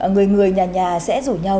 người người nhà nhà sẽ rủ nhau